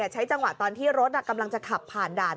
ใช้จังหวะตอนที่รถกำลังจะขับผ่านด่าน